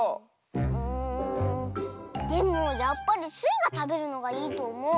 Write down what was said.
うんでもやっぱりスイがたべるのがいいとおもう。